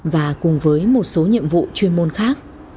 và cùng với một số nhiệm vụ chuyên môn khác